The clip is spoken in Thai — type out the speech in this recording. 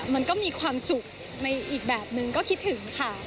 มันก็มีความสุขในอีกแบบนึงก็คิดถึงค่ะ